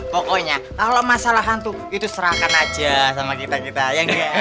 pokoknya kalau masalah hantu itu serahkan aja sama kita kita